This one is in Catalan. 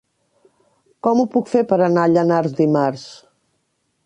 Com ho puc fer per anar a Llanars dimarts?